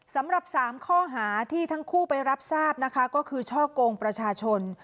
สำหรับ๓ข้อหาที่ทั้งคู่ไปรับทราบนะคะก็คือช่อกงประชาชน